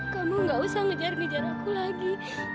kamu gak usah ngejar ngejar aku lagi